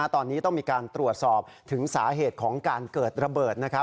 ตอนนี้ต้องมีการตรวจสอบถึงสาเหตุของการเกิดระเบิด